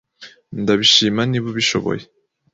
Ndabishima niba ubishoboye.